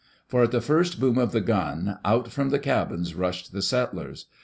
For at the first boom of the gun, out from the cabins rushed the settlers.